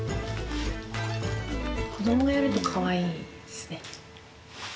子どもがやるとかわいいですね。